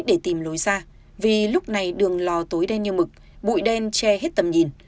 để tìm lối ra vì lúc này đường lò tối đen như mực bụi đen che hết tầm nhìn